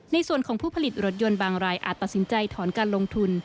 ในส่วนของผู้ผลิตรถยนต์บางรายอาจตัดสินใจถอนการลงทุน